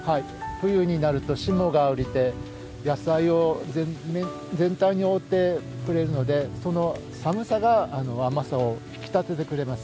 冬になると、霜が降りて野菜を全体に覆ってくれるのでその寒さが甘さを引き立ててくれます。